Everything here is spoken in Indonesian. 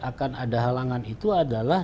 akan ada halangan itu adalah